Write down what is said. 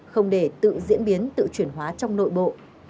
không để tự diễn biến tự chuyển hóa trong nội bộ